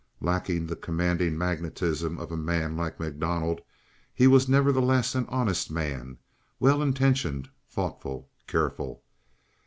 Lacking the commanding magnetism of a man like MacDonald, he was nevertheless an honest man, well intentioned, thoughtful, careful.